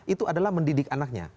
itu adalah mendidik anaknya